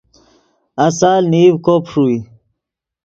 آسال نیڤ کوب ݰوئے